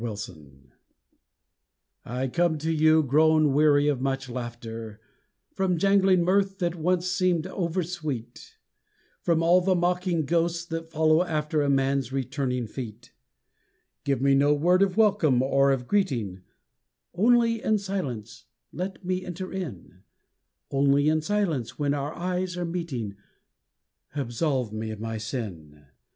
THE RETURN I come to you grown weary of much laughter, From jangling mirth that once seemed over sweet, From all the mocking ghosts that follow after A man's returning feet; Give me no word of welcome or of greeting Only in silence let me enter in, Only in silence when our eyes are meeting, Absolve me of my sin.